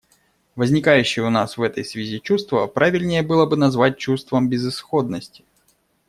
Возникающее у нас в этой связи чувство правильнее было бы назвать чувством безысходности.